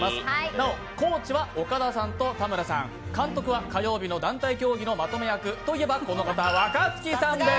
なお、コーチは岡田さんと田村さん監督は火曜日の団体競技のまとめ役といえばこの方、若槻さんです。